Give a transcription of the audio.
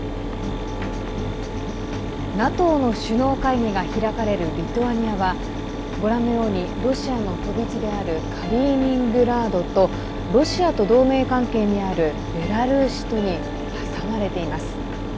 ＮＡＴＯの首脳会議が開かれるリトアニアはご覧のようにロシアの飛び地であるカリーニングラードとロシアと同盟関係にあるベラルーシとに挟まれています。